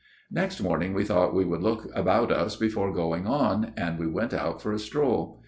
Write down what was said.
" Next morning we thought we would look about us before going on ; and we went out for a stroll.